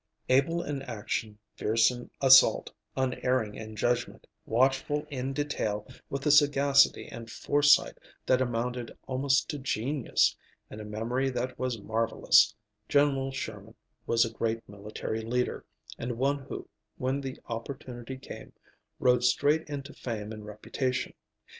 Able in action, fierce in assault, unerring in judgment, watchful in detail; with a sagacity and foresight that amounted almost to genius, and a memory that was marvellous, General Sherman was a great military leader, and one who, when the opportunity came, rode straight into fame and reputation.